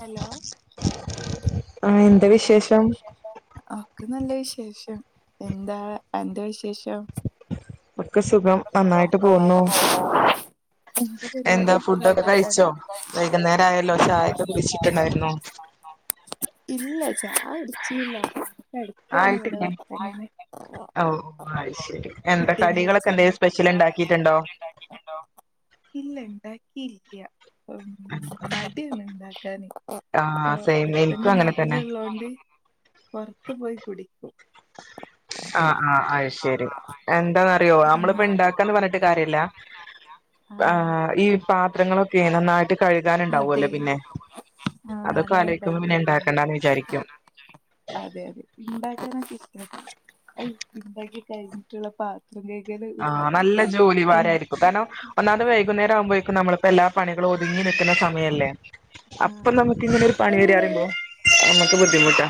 Hello ആഹ് എന്താ വിശേഷം ഒക്കെ നല്ല വിശേഷം എന്താ അന്റെ വിശേഷം ഇവിടെ സുഖം നന്നായിട്ട് പോകുന്നു എന്ത എന്താ പരിപാടി ഫുഡൊക്കെ വെറുതെ കഴിച്ചോ ഇരിക്കണോ വൈകുന്നേരം ആയല്ലോ ചായൊക്കെ കുടിച്ചിട്ടുണ്ടായിരുന്നോ ഇല്ല ചായ കുടിച്ചില്ല കടക്കാണ് ഇവടെ ആയിട്ടില്ല വെറ്തെ ഇങ്ങനെ ഓ അത് ശരി എന്താ കുട്ടീനെ വേ കടികളൊക്കെ എന്തേലും സ്പെഷ്യൽ ഉണ്ടാക്കിയിട്ടുണ്ടോ ഇല്ല ഇണ്ടാക്കിയില്ല ഉം മടിയാണ് ഉണ്ടാക്കാൻ ആ അപ്പൊ സെയിം എനിക്കും ഹസ്ബൻഡ് അങ്ങനെ തന്നെ നാട്ടിലുള്ളോണ്ട് പൊറത്തു പോയി കുടിക്കും ആഹ് ആഹ് അയ്ശരി എന്താന്നറിയോ എന്താന്ന് അമ്മളിപ്പോ ഇണ്ടാക്കന്ന് പറഞ്ഞിട്ട് കാര്യല്ല ആഹ് ഈ പാത്രങ്ങളൊ ക്കെ നന്നായിട്ട് അതെ കഴുകാനുണ്ടാവല്ലോ പിന്നെ ആഹ് അതൊക്കെ അതാണ് ആലോയ്ക്കുമ്പോ പിന്നെ ഭയങ്കര എടങ്ങേറ് ഇണ്ടാക്കണ്ടാന്ന് വിചാരിക്കും അതെ അതെ ഇണ്ടാക്കാൻ [unintelligible] ഇണ്ടാക്കി കഴിഞ്ഞിട്ടുള്ള പാത്രം കഴ് ആഹ് നല്ല ജോലി ഭാരായിരിക്കും കാരണം ഒന്നാമത് വൈ കുന്നേരാകുമ്പോഴേക്കും നമ്മള്പ്പോ എല്ലാ പണികളും ഒതുങ്ങി നിക്കുന്ന സമ മയല്ലേ ആഹ് അപ്പൊ അതെ നമുക്ക് ഇങ്ങനൊരു പണിവെരാറിയുമ്പോ നമുക്ക് ബുദ്ധിമുട്ടാ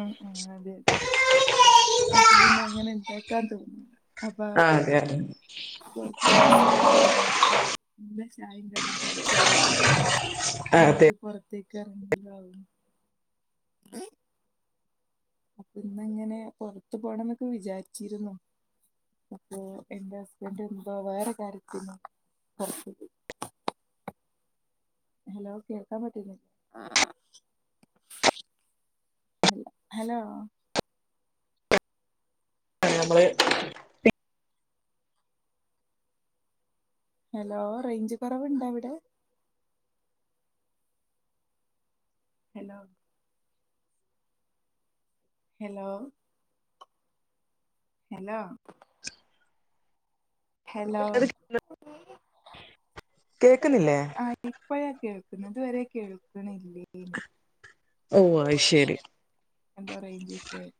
ഉം ഉം അതെയതെ അപ്പപ്പിന്നെ അങ്ങനെണ്ടാക്കാൻ തോന്നുല്ല അപ്പൊ ആഹ് അതെ അതെ കൊറച്ച് പൈസ കൊടുത്താതന്നെമ്മക്ക് പിന്നെ ചായയും കടിയും പുറത്തു പോയി കുടിക്ക അതെ പിന്നൊരു പുറത്തേക്ക് ഇറങ്ങുലാവും [inaudible] അപ്പൊ ഇന്ന്ങ്ങനെ പുറത്ത് പോണന്നൊക്കെ വിചാരിച്ചിരുന്നു അപ്പൊ എന്റെ ഹസ്ബെന്റെന്തോ വേറെ കാര്യത്തിന് പൊറത്ത് പോയി ഹലോ കേൾക്കാൻ പറ്റീനോ ഹലോ ആഹ് ഞമ്മള് ഹലോ റേയ്ഞ്ച് കൊറവ്ണ്ടോ അവിടെ? ഹലോ ഹലോ ഹെലോ ഹെലോ കേക്ക്ണില്ലേ കേക്കുന്നില്ലേ ആഹ് ഇപ്പഴാ കേൾക്ക്ന്നേ ഇതുവരെ കേൾക്ക്ണ്‌ല്ലേനി ഓഹ് അത് ശെരി എന്തോ റെയ്ഞ്ചിഷ്യൂ ആയി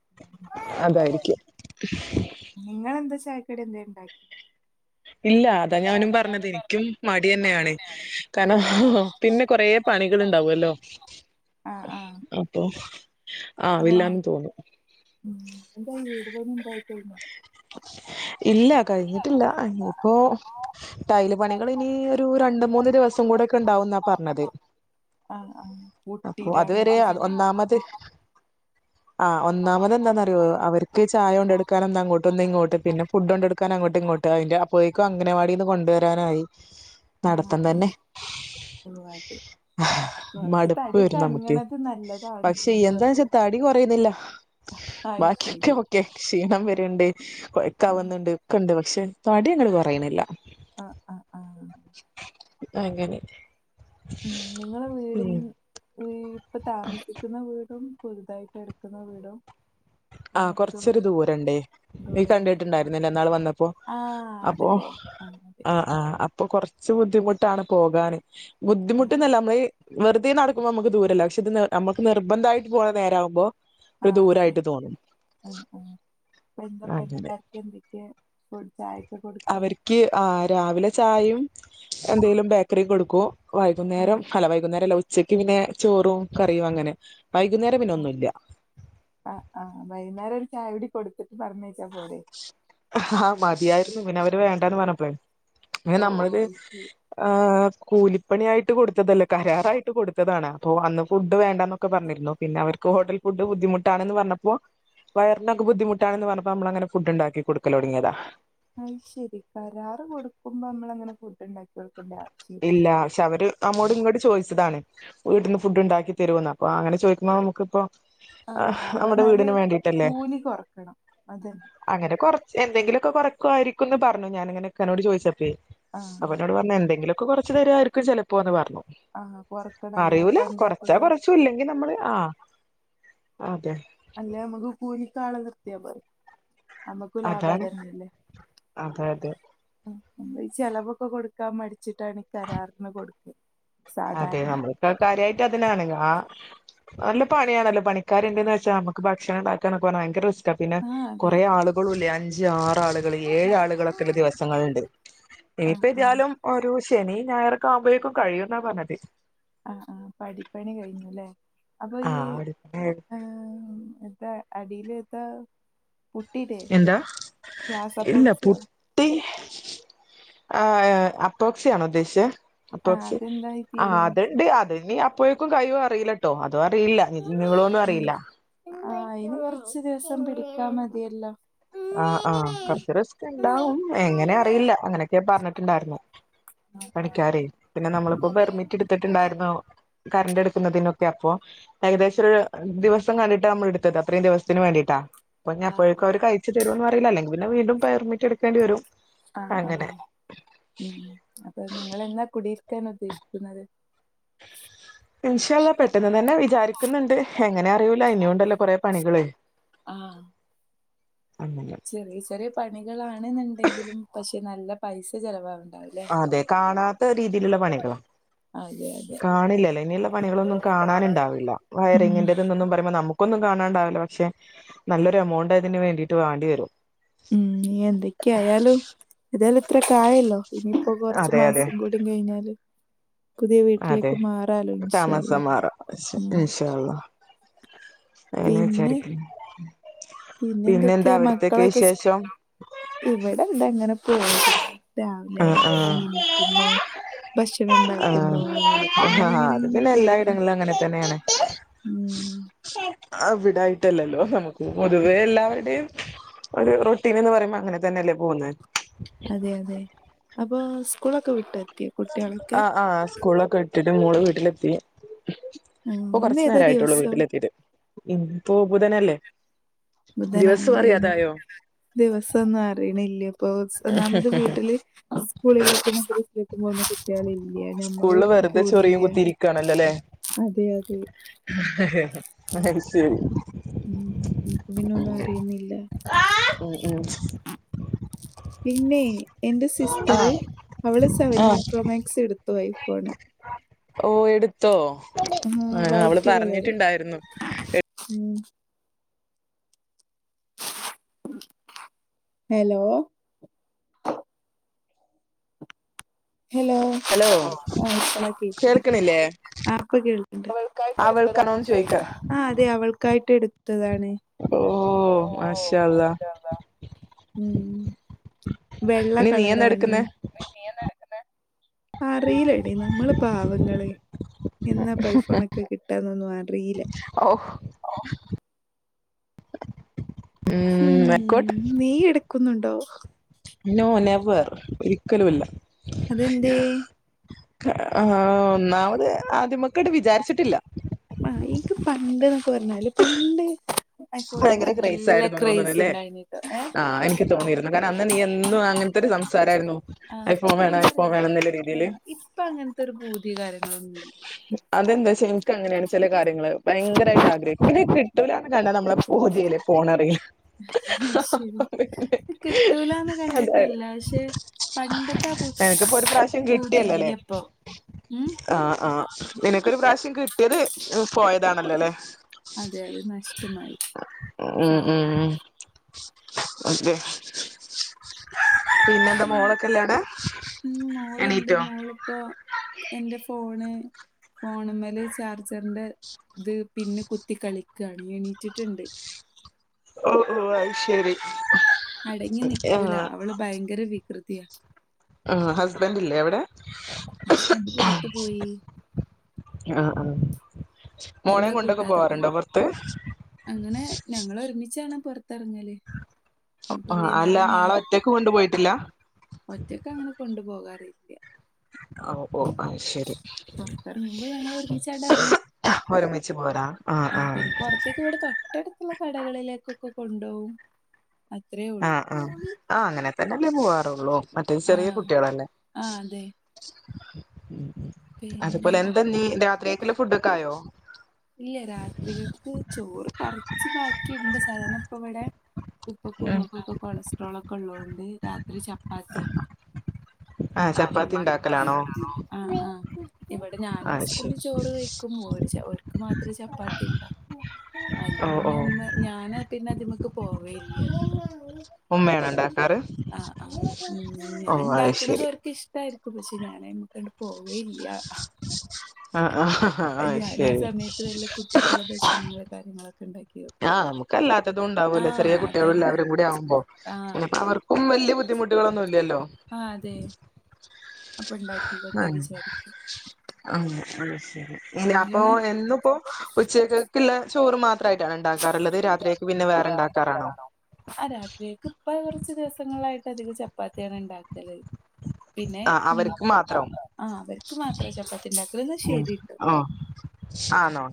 അതായിരിക്കും ഇങ്ങെളെന്താ ചായക്കടി എന്തേ ഇണ്ടാ ഇല്ല അതാ ഞാനും പറഞ്ഞത് ഇക്ക്യും മടിന്നെയാണ് കാരണം പിന്നെ കൊറെ പണികള്ണ്ടാവൊല്ലോ ആ ആ അപ്പൊ അതാണ് ആവില്ലാന്ന് തോന്നും ഉം എന്തായി വീട് പണി എന്തായി കയിഞ്ഞോ? ഇല്ല കഴിഞ്ഞിട്ടില്ല ആഹ് ഇഞ്ഞ്പ്പോ ടൈല് പണികള് ഇനി ഒരു രണ്ട് മൂന്ന് ദിവസം കൂടെക്കെ ഇണ്ടാവുന്നാ പറഞ്ഞത് ആ ആ അപ്പൊ പൊട്ടിയിട അതുവരെ അങ്ങനത്തെ അത് സംഭവം ഒന്നാമത് ആഹ് ഒന്നാമത് എന്താന്നറ്യോ അവര്ക്ക് ചായ കൊണ്ടോട്ക്കാനൊന്നങ്ങോ ട്ടൊന്നിങ്ങോട്ട് പിന്നെ ഫുഡ്ണ്ടൊട്ക്കാന് അങ്ങോട്ട് ഇങ്ങോട്ടും അയിന്റെ അപ്പോഴേക്കും അംഗനവാടിന്ന് കൊണ്ട് വരാനായി നടത്തം തന്നെ ഓഹ് അതെ കൊറച്ച് മട്പ്പ് തടിയൊക്കെ വരും നമുക്കെ അനങ്ങണത് നല്ലതാണ് പക്ഷെ ഇങ്ങനെ എന്താന്നെച്ചാ വെറുതെ തടി കൊറയ്ന്നില്ല അത് ശരി. ബാക്ക്യോക്കെ ഒക്കെ ക്ഷീണം വര്ണ്ട് ആഹ് കൊഴക്കാവ്ന്ന്ണ്ട് ഒക്കണ്ട് പക്ഷെ തടി അങ്ങട്ട് കൊറയ്ണില്ല ആഹ് ആഹ് ആഹ് അങ്ങനെ ഉം നിങ്ങളെ വീട്ൻ ഉം വീ ഇപ്പ താമസി ക്ക്ന്ന വീടും പുതുതായിട്ട് എട്ക്ക്ന്ന വീടും ആഹ് കൊറച്ചൊരു ദൂരണ്ടെ നീ ദൂരണ്ടോ? കണ്ടിട്ട്ണ്ടായിരുന്നില്ലേ ഇന്നാള് വന്നപ്പോ ആഹ് അപ്പോ അതിലേ അതെ ആഹ് ആഹ് അപ്പൊ കൊറച്ച് ബുദ്ധിമുട്ടാണ് പോകാന് ആഹ് ബുദ്ധിമുട്ട്ന്നല്ല നമ്മള് വെറ്തെ നടക്കുമ്പോ നമ്മക്ക് ദൂരല്ല പക്ഷെ ഇത് നമ്മക്ക് നിർബന്ധായിട്ട് പോണ നേരാവുമ്പോ ആഹ് അതെ ദൂരായിട്ട് തോന്നും ആഹ് ആഹ് ഇപ്പ എന്താ അങ്ങനെ പണിക്കാര്ക്ക് എന്തേക്കെ ഫു ചായക്ക് കൊട്ക്കല് അവര്ക്ക് ആഹ് രാവിലെ ചായയും എന്തേങ്കിലും ബേക്കറിം കൊട്ക്കും വൈകുന്നേരം ആഹ് അല്ല വൈകുന്നേരല്ല ഉ ച്ചക്ക് പിന്നെ ചോറും കറിയും അങ്ങനെ വൈകുന്നേരം പിന്നെ ആഹ് ഒന്നുല്ല ആഹ് ആഹ് വൈന്നേരം ഒരു ചായൂടിം കൊട്ത്തിട്ട് പറഞ്ഞേച്ചാ പോരെ ആഹ് മതിയായിരുന്നു പിന്നവര് വേണ്ടാന്ന് പറഞ്ഞപ്പളെ പിന്നെ ഓഹ് ഓഹ് നമ്മളത് അത് ശരി. ആഹ് കൂലിപ്പണിയായിട്ട് കൊട്ത്തതല്ല കരാറായിട്ട് കൊട്ത്തതാണ് അപ്പൊ അന്ന് ഫുഡ് വേണ്ടാന്നൊ ക്കെ പറഞ്ഞിരുന്നു പിന്നെ അവർക്ക് ഹോട്ടൽ ഫുഡ് ബുദ്ധിമുട്ടാണെന്ന് പറഞ്ഞപ്പോ വയറിനൊക്കെ ബുദ്ധിമുട്ടണെന്ന് പറഞ്ഞപ്പോ നമ്മള അങ്ങനെ ഫുഡ്ണ്ടാക്കി കൊട്ക്കലൊടങ്ങിയതാ അത് ശെരി കരാറ് കൊട്ക്കുമ്പോ നമ്മള അങ്ങനെ ഫുഡ്ണ്ടാക്കി കൊട്ക്കേണ്ട ആവശ്യല്ല ഇല്ല പക്ഷെ അവര് നമ്മോട് ഇങ്ങട്ട് ചോയിച്ചതാണ് വീട്ട്ന്ന് ഫുഡ് ഇണ്ടാക്കി തരോന്ന് അപ്പോ അങ്ങനെ ചോയിക്കുമ്പോ നമുക്ക്പ്പോ ആഹ് അപ്പ എന്നാല് കൂലി കൊറക്കണം അതന്നെ അങ്ങനെ കൊറ എന്തേങ്കിലൊക്കെ കൊറക്കുവായിരിക്കുന്ന് പറഞ്ഞു ഞാനിങ്ങനെ ഇക്കാനോട് ചോയിച്ചപ്പേ ആഹ് അവര് പറഞ്ഞ് എന്തെങ്കിലൊക്കെ കൊറച്ച് തരായിരിക്കും ചെലപ്പോന്ന് പറഞ്ഞു ആഹ് കൊറക്കണം അല്ലാതെ അറിയൂല ഇപ്പ കൊറച്ചാ എന്താപ്പത് കൊറച്ച് ക്കും ഇല്ലെങ്കി നമ്മള് ആഹ് അതെ അല്ലെ നമ്മക്ക് കൂലിക്കാളെ നിർത്തിയാ പോരെ നമ്മക്കും ലാഭ അതാണ് അതെന്നെല്ലേ അതെ അതെ നമ്മള് ഈ ചെലവൊക്കെ കൊടുക്കാൻ മടിച്ചിട്ടാണ് കരാറിന് കൊടുക്ക അതെ നമ്മൾക്ക് കാര്യയിട്ട് അതിനാണ് ആ നല്ല പണിയാണല്ലോ പണിക്കാരണ്ടന്ന് വച്ചാ നമുക്ക് ഭക്ഷണം ഉണ്ടാക്കനൊക്ക ഭയങ്ക റിസ്ക് - പിന്നെ ആഹ് അതെ കൊറേ ആളുകളല്ലേ അഞ്ച് ആറ് ആളുകൾ ഏഴ് ആളുകളൊക്കെ ള്ള ദിവസങ്ങളുണ്ട് ആഹ് ആഹ് ഇനിപ്പെതിയാലും ഓരോ ശനി ഞായൊക്കെ ആവുമ്പഴേക്കും കഴിയുംന്നാ പറഞ്ഞത് ആഹാ ആഹാ പ്പൊ പടിപ്പണി കഴിഞ്ഞുല്ലേ അപ്പൊ ആ ഈ അടുത്ത ഏ എന്താ അടിൽ എത്താ പുട്ടിടെ എന്താ പ്ലാസ്പൊക്‌സിയോ ഈ അപ്പോക്സിയണ ഉദ്ദേശിചേ ആഹ് അപ്പോക്സി അതെന്തായി ആ തീരുമാനിച്ചെ അതണ്ട് അ ഇനി അപ്പോഴേക്കും കഴിയും അറിയില്ലട്ടോ അതും അറിയില്ല നീ ളൊന്നും അറിയില്ല ആഹ ഇനി കൊറച്ച് ദിവസം പിടിക്കാ മതിയല്ലോ ആഹ് ആഹാ കുറച്ച് റിസ്ക് ഉണ്ടാവും എങ്ങനെ അറിയില്ല അങ്ങനെയൊക്കെ പറഞ്ഞിട്ടുണ്ടായിരുന്നു ആഹ് പണിക്കാരേ പിന്നെ നമ്മളിപ്പോ പെർമിറ്റ് എടുത്തിട്ടുണ്ടായിരുന്നു കറണ്ട് എടുക്കുന്നതിനൊക്കെ അപ്പൊ ഏകദേശം ഒരു ദിവസം കണ്ടിട്ടാണ് നമ്മൾ എടുത്തത് അത്രയും ദിവസത്തിന് വേണ്ടിട്ടാ അപ്പ ആഹ് ഞപ്പോഴക്കും അവ കഴിച്ചു തരുംന്ന് അറിയില്ല അല്ലെങ്ക പിന്നെ വീണ്ടും പെർമിറ്റ് എടുക്കേണ്ട വരും ആഹാ അങ്ങനെ ആഹാ ഉം അപ്പൊ നിങ്ങളെന്ന കുടിയിരിക്കാൻ ഉദ്ദേശിക്കുന്നത് ഇൻഷ അള്ളാ പെട്ടെന്ന് തന്നെ വിചാരിക്കുന്നുണ്ട് എങ്ങനെ അറിയൂല ഇനി ഉണ്ടല്ലോ കൊറെേ പണികള് ആഹാ അങ്ങനെ ചെറിയ ചെറിയ പണികളാണെന്നുണ്ടെങ്കിലും പക്ഷെ നല്ല പൈസ ചെലവാകണം അതെ കാണാത്ത രീതിയിലുള്ള പണികളാ അതെ അതെ കാണില്ലല്ലോ ഇനിയുള്ള പണികളൊന്നും കാണാൻണ്ടാവില്ല ഉം വയറിങ്ങിന്റെതന്നൊന്നും പറയ്മ്പോ നമുക്ക് പ്പോന്നും കാണാണ്ടാവില്ല പക്ഷെ നല്ലൊരു എമൗണ്ട് അതിന് വേണ്ടിയിട്ട് വേണ്ടി വരും ഉം എന്തൊക്കെയ ആയാലും ഏതായാലും ഇത്ര കായല്ലോ ഇനിയിപ്പോ കുറച്ച് അതെ അതെ മാസം കൂടി കഴിഞ്ഞാല് പുതിയ അതെ വീട്ടിലേക്ക് മാറാലോ ഇൻഷള്ളാ ഇന്ഷാ അല്ലാഹ് അങ്ങനെ വിചാരിക്കുന്നു പിന്നെന്താ പിന്നെന്തൊക്കെയാ അവിടത്തേക്ക് മക്കളൊക്കെ സ്കൂ വിശേഷം ഇവിടെ എന്താ അങ്ങനെ പോണ് രാവിലെ ആഹ് ആഹ് ഏണീക്കുന്നു ഭക്ഷണം ഉണ്ടാക്കുന്നു അങ്ങനെയൊക്കെ ആഹ് എങ്ങനെ ആഹ് എങ്ങനെ അത് അങ്ങനെ പിന്നെ പോകുന്നു എല്ലായിടങ്ങളിലും അങ്ങനെ തന്നെയാണ് ഉം അവിടായിട്ടല്ലല്ലോ നമുക്ക് പൊതുവേ എല്ലാവരുടെയും ഒരു റൊട്ടീൻ എന്ന് പറയ്മ്പോ അങ്ങനെ തന്നെയല്ലേ പോകുന്നേ അതെ അതെ അപ്പൊ സ്കൂളൊക്കെ വിട്ട എത്തി ആഹാ ആഹ് സ്കൂളൊക്കെ വിട്ടിട്ട് മോള് വീട്ടിലെത്തി ആ പ്പൊ ഇന്ന് കൊറച്ചു ഏതാ നേരം ആയിട്ടുള്ളൂ ദിവസം വീട്ടിലെത്തിട്ട ഇന്നിപ്പോ ബുധനല്ലേ ബുധനാണോ ദിവസം ഏത് അറിയാതായോ ദിവസംന്നും അറിയണില്ലേ അപ്പൊ ഒന്നാമത് വീട്ടില് സ്കൂളിലക്ക മദ്രസക്കും പോണിലേക്കും പോകുന്ന കുട്ടികള ഇല്ല്യ ഞമ്മൾ സ്കൂളില് എവ്ടുക്കും വെറുതെ ചൊറിയും പോണില്ല കുത്തിയിരിക്കാണല്ലോ അല്ലേ അതെ അതെ അത് ശരി ഉം അപ്പം പിന്നൊന്നും അറിയുന്നില്ല ആ അ അ പിന്നെ എന്റെ സിസ്റ്ററ് അവള് സെവന്റീൻ ആഹ് പ്രോ മാക്സ് എടുത്തു ഐഫോണ് ഓ എടുത്തോ ആ അവള് വൈറ്റ് കളറ് പറഞ്ഞിട്ടുണ്ടായിരുന്നു ഉം ഹലോ ഹലോ ഹലോ ആ ഇപ്പളാ കേക്ക്ണത് കേൾക്കണില്ലേ ആപ്പൊ കേൾക്ക്ണ്ട് അവൾക്കാണോന്ന് ചോയിക്കാ ആഹ് അതെ അവൾക്കായിട്ട് എടുത്തതാണ് ഓഹ് മാഷാ അള്ളാ ഉം വെള്ള ഇനി നീ എന്താ കളറാണ് എടുക്കുന്നേ നീ എന്താ എടുക്കുന്നെ അറിയിലെടീ നമ്മള്പാവങ്ങള് എന്നാപ്പ ഐഫോൺ ഒക്കെ കിട്ടാന്നൊന്നും അറിയില്ല ഔ ഉം ഉം അയ്ക്കോട്ടേ നീ എടുക്കുന്നുണ്ടോ നോ നെവർ ഒരിക്കലുല്ല അതെന്തേയ് ആ ഒന്നാമത് ആതിമ്മക്കട് വിചാരിച്ചിട്ടില്ല ആഹ് എനിക്ക് പണ്ട് എന്നൊക്കെ പറഞ്ഞാല് പണ്ട് ഐഫോണിന് ഭയങ്കര നല്ല ക്രൈസായിരുന്നു ക്രൈസ് തോന്നുണ്ല്ലേ ഇണ്ടായിനിട്ടോ ഏഹ് ആഹ് എനിക്ക് തോന്നിയിരുന്നു കാരണം അന്ന് നീ എന്നും അങ്ങനെ ത്തൊരു സംസാരായിരുന്നു ആഹ് ഐഫോൺ ഇപ്പ വേണം എന്താ ഐഫോൺ അറിയില്ല വേണം എന്നില്ല രീതിയില് ആഹ് ഇപ്പ അങ്ങനത്തെ ഒരു പൂതി കാര്യങ്ങളൊന്നുല്ല അതെന്താച്ച എനക്ക് അങ്ങനെയാണ് ചില കാര്യങ്ങള് ഭയങ്കരായിട്ട് ആഗ്രഹിക്കും പിന്നെ കിട്ടൂല കാരണം നമ്മള് കൊതിയല്ലേ ഫോണറിയി അഹ് ശരി കിട്ടൂലന്ന് അതെ കണ്ടിട്ടല്ല പക്ഷെ പണ്ടത്തെ ആ എനിക്കിപ്പോ ഒരു പ്രാവശ്യം പൂതി കിട്ടിയല്ലോല്ലേ ഇല്ലപ്പം ഉം ആഹ് ആഹ് നിനക്കൊരു പ്രാവശ്യം കിട്ടിയത് പോയതാണല്ലോല്ലെ അതെ അതെ നഷ്ടമായി ഉം ഉം സാരമില്ല അതെ പിന്നെ എന്താ മോളൊക്കെല്ല അടെ എണീറ്റോ അവളിപ്പൊ എന്റെ ഫോണ് ഫോണുമ്മല് ചാർജറിന്റെ ഇത് പിന്ന് കുത്തി കളിക്കണ് എണീറ്റിട്ടുണ്ട് ഓഹ് ഓ അത് ശരി അടങ്ങി നിക്കൂല ആഹ് അവള് ഭയങ്കര വികൃതിയാ ആഹ് ഹസ്ബൻറ് ഇല്ലേ അവിടെ ഹസ്ബൻഡ് പുറത്തു പോയി ആഹ് ആഹ് മോളെയും ഞങ്ങളെ കൊണ്ടൊക്കെ കൂട്ടാതെ പോയി പോവാറുണ്ടോ പൊറത്ത് അങ്ങനെ ഞങ്ങള് ഒരുമിച്ചാണ് പൊറത്തിറങ്ങല് ആഹ് അല്ല ആളെ ഒറ്റക്ക് കൊണ്ടു പോയിട്ടില്ല ഒറ്റക്കങ്ങനെ കൊണ്ടുപോകാറില്ല ഓഹ് ഓഹ് അഹ് ശരി പുറത്തിറങ്ങുമ്പോ ഞങ്ങൾ ഒരുമിച്ചായിട്ട് ഒരുമിച്ച്പോരാ ആഹ് പിന്നെ പൊറത്തേക്ക് ഇവിടെ തൊട്ടടുത്തുള്ള കടകളിലേക്കൊക്കെ കൊണ്ടോവും അത്രേ ഉള്ളൂ അത്ര തന്നെ പോവാറുള്ളൂ മറ്റേ ആ ചെറിയ കുട്ടികളല്ലെ ആ അതെ പിന്നെ അതേപോലെ എന്താ നീ രാത്രിയേക്കില്ലെ ഫുഡൊക്കെ ആയോ ഇല്ല രാത്രികക്ക് ചോറ് കുറച്ച് ബാക്കിയുണ്ട് സാധാരണ ഇപ്പ ഇവിടെ ഉപ്പക്കൂ ഉം ഉമ്മക്കൊക്കെ കൊളസ്ട്രോളൊക്കെള്ളോണ്ട് രാത്രി ചപ്പാത്തിയാ ആഹ് ചപ്പാത്തി ഉണ്ടാക്കലാണോ ചപ്പാത്തിണ്ടാക്കലാണോ? ആഹ് ആഹ് ഇവടെ ഞാനും ആഹ് ശരി അസ്ബന്ഡും ചോറ് കഴിക്കും ഓര് ച ഓര് ക്ക് മാത്രേ ചപ്പാത്തിണ്ടാക്കും അത് ഓ ഓ പിന്നെ ഉമ്മ ഞാന് പിന്നതിമ്മക്ക് പോവലില്ല്യ. ഉമ്മയാണോ ഉണ്ടാക്കാറ് ആഹ് ആഹ് ഓ അത് ശരി ഞാണ്ട്ക്കണതോര് ക്ക് ഇഷ്ടായിരിക്കും പക്ഷെ ഞാനയ്മക്കാണ്ട് പോവലില്ല്യ. ആഹ് ആഹ് അഹ് അത് ഞാനാ ശരി സമയത്ത് വല്ല കുട്ടി ക്ക്ള്ള ഭഷണങ്ങള് കാര്യങ്ങളൊക്കെണ്ടാക്ക്യോ? ആഹ് നമ്മക്കല്ലാത്തതും ഇണ്ടാവൂല്ലോ ചെറിയ കുട്ട്യേളും അതന്നെ എല്ലാവരും കൂടി ആവുമ്പോ. ആഹ് പിന്നപ്പ അവർക്കും വല്ല്യ ബുദ്ധിമുട്ട്കളൊന്നും ഇല്ല്യല്ലോ. ആഹ് അതെ അപ്പണ്ടാക്കിക്കോട്ടെ വിചാരിക്കും. ആഹ് ആഹ് ശെരി ഇനി അപ്പൊ ഇങ്ങനെ ഇന്നുപ്പോ ഉച്ചക്കേക്ക്ള്ള ചോറ് മാത്രാ ഇണ്ടാക്കാറ്ള്ളത്, രാത്രിയേക്ക് പിന്നെ വേറണ്ടാക്കറാണോ? ആഹ് രാത്രിയേക്ക് ഇപ്പ കൊറച്ച് ദിവസങ്ങളായിട്ട് അധികും ചപ്പാത്ത്യാണ് ഇണ്ടാക്കല്. പിന്നെ ആഹ് അവർക്ക് മാത്രം ആഹ് അവർക്ക് മാത്രാ ചപ്പത്തിണ്ടാക്കല് ന്നാ ശെരിട്ടോ. ആണോ.